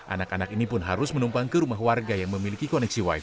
anak anak ini pun harus menumpang ke rumah warga yang memiliki koneksi wifi